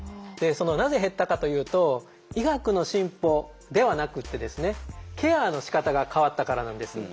なぜ減ったかというと医学の進歩ではなくてですねケアのしかたが変わったからなんです。